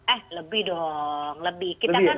eh lebih dong lebih